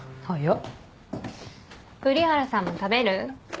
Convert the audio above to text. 瓜原さんも食べる？